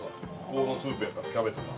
このスープやったら、キャベツが。